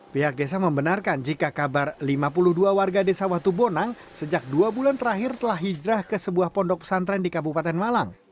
pihak desa membenarkan jika kabar lima puluh dua warga desa watubonang sejak dua bulan terakhir telah hijrah ke sebuah pondok pesantren di kabupaten malang